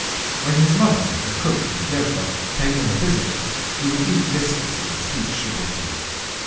When his mother, the cook, Nadejda, paid him a visit, he would eat listlessly the sweets she brought him.